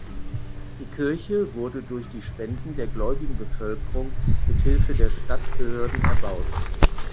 Die Kirche wurde durch die Spenden der gläubigen Bevölkerung mit Hilfe der Stadtbehörden erbaut.